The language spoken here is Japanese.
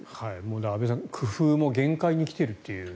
安部さん工夫も限界に来ていると。